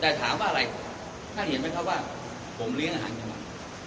แต่ถามว่าอะไรท่านเห็นไหมครับว่าผมเลี้ยงอาหารกันมา